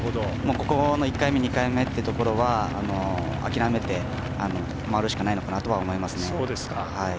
ここの１回目、２回目というところは諦めて、回るしかないのかなとは思いますね。